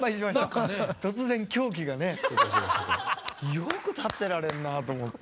よく立ってられるなと思って。